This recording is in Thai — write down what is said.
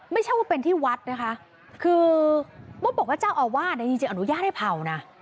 ไม่ใช่ว่าเป็นที่วัดนะคะคือมดบอกว่าเจ้าอาวาสเนี่ยจริงอนุญาตให้เผานะ